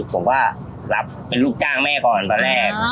ผมก็รับเป็นลูกจ้างแม่ก่อนตอนแรก